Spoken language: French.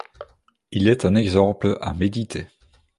Il est un exemple à méditer.